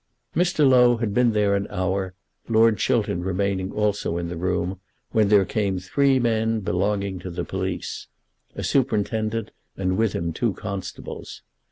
Mr. Low had been there an hour, Lord Chiltern remaining also in the room, when there came three men belonging to the police, a superintendent and with him two constables.